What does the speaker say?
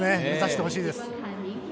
目指してほしいです。